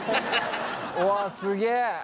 おわすげえ！